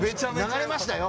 流れましたよ